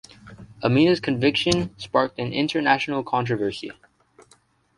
Amina's conviction sparked an international controversy.